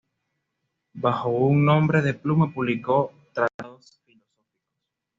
Bajo un nombre de pluma publicó tratados filosóficos.